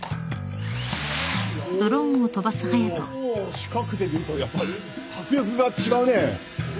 近くで見るとやっぱり迫力が違うねぇ。